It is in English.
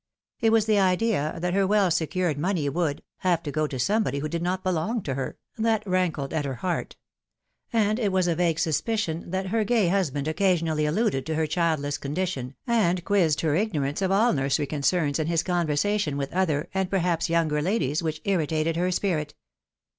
It was the idea that her well secured money would " have to go to somebody who did not belong to her " that rankled at her heart ; and it was a vague suspicion that her gay husband occasionally alluded to her childless condition, and quizzed her ignorance of all nursery concerns in his conversation with other, and perhaps younger, ladies, which irritated her spirit.